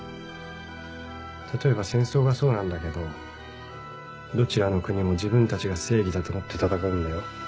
例えば戦争がそうなんだけどどちらの国も自分たちが正義だと思って戦うんだよ。